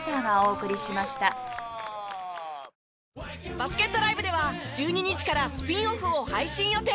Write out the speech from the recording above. バスケットＬＩＶＥでは１２日からスピンオフを配信予定。